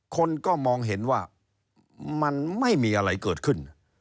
คนก็มองเห็นว่ามันไม่มีอะไรเกิดขึ้น